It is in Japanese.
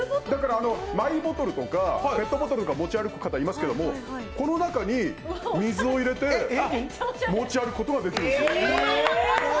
だからマイボトルとかペットボトルとか持ち歩く方いますけどこの中に水を入れて持ち歩くことができるんです。